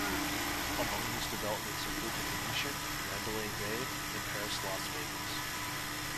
Among these developments include The Venetian, Mandalay Bay, and Paris Las Vegas.